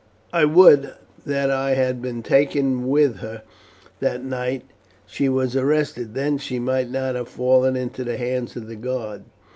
I would that I had been with her that night she was arrested, then she might not have fallen into the hands of the guard.